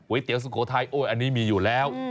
ไว้เตี๋ยวสุโขทัยอันนี้มีอยู่แล้ว